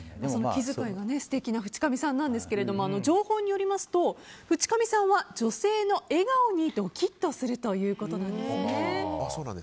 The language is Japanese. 気遣いが素敵な淵上さんですが情報によりますと淵上さんは女性の笑顔にドキッとするということなんです。